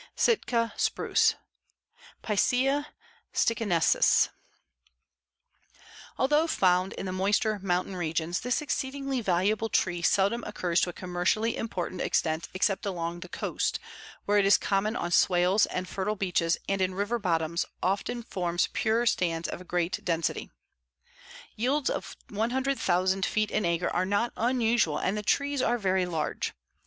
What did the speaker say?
SITKA SPRUCE (Picea sitchensis) Although found in the moister mountain regions, this exceedingly valuable tree seldom occurs to a commercially important extent except along the coast, where it is common on swales and fertile benches and in river bottoms often forms pure stands of great density. Yields of 100,000 feet an acre are not unusual and the trees are very large.